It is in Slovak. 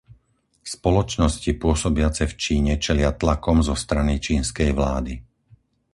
Spoločnosti pôsobiace v Číne čelia tlakom zo strany čínskej vlády.